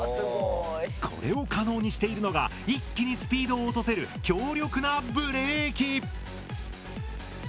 これを可能にしているのが一気にスピードを落とせる強力なブレーキ。